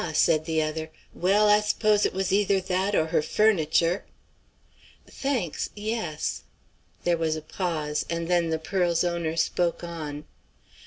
said the other. "Well, I s'pose it was either that or her furniture?" "Thanks, yes." There was a pause, and then the pearl's owner spoke on.